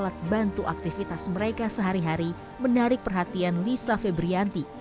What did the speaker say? alat bantu aktivitas mereka sehari hari menarik perhatian lisa febrianti